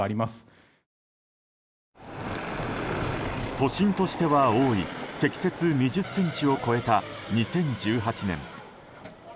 都心としては多い積雪２０ｃｍを超えた２０１８年。